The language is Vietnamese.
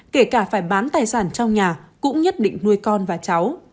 kể cả phải bán tài sản trong nhà cũng nhất định nuôi con và cháu